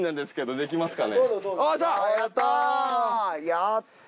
やった！